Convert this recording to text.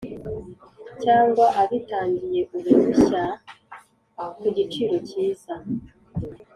cyangwa abitangiye uruhushya ku giciro cyiza